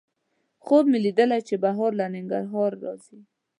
خوب مې لیدلی چې بهار په ننګرهار راځي